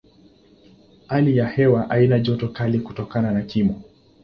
Hali ya hewa haina joto kali kutokana na kimo.